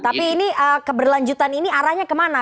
tapi ini keberlanjutan ini arahnya kemana